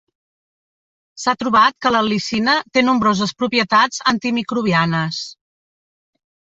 S'ha trobat que l'al·licina té nombroses propietats antimicrobianes.